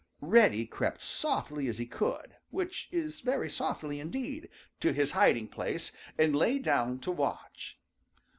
Reddy crept softly as he could, which is very softly indeed, to his hiding place and lay down to watch.